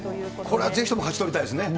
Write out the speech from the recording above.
これはぜひとも勝ち取りたいですね。